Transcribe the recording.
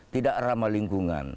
tidak ramah lingkungan